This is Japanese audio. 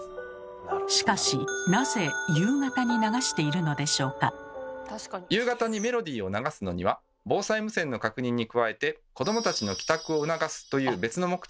しかし夕方にメロディーを流すのには防災無線の確認に加えて「子どもたちの帰宅を促す」という別の目的もあります。